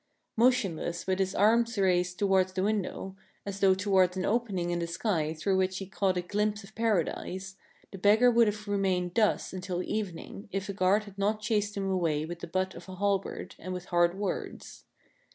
Motionless, with his arms raised towards the window, as though towards an opening in the sky through which he caught a glimpse of paradise, the beggar would have remained thus until evening if a guard had not chased him away with the butt of a halberd and with hard words.